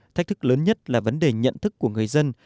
thách thức lớn nhất là vấn đề nhận thức của người dân